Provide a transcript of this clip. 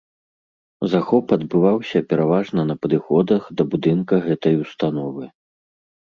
Захоп адбываўся пераважна на падыходах да будынка гэтай установы.